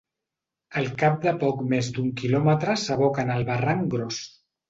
Al cap de poc més d'un quilòmetre s'aboca en el barranc Gros.